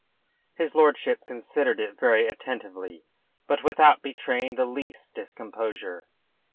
His lordship considered it very attentively, but without betraying the least discomposure.